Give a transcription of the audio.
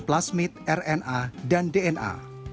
plasmid rna dan dna